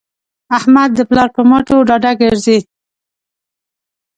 احمد د پلار په مټو ډاډه ګرځي.